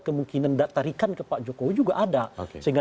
kemungkinan tarikan ke pak jokowi juga ada sehingga